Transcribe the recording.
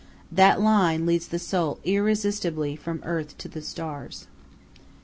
That line leads the soul irresistibly from earth to the stars.